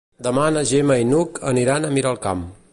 Demà na Gemma i n'Hug aniran a Miralcamp.